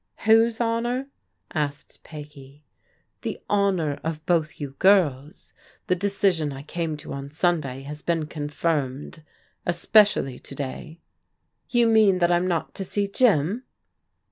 " Whose honour? " asked Peggy. " The honour of both you girls. The decision I came to on Sxmday has been confirmed, especially to day.*' " You mean that I'm not to see Jim?